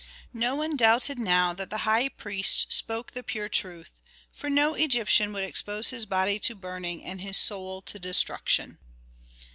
No one doubted now that the high priest spoke the pure truth; for no Egyptian would expose his body to burning and his soul to destruction.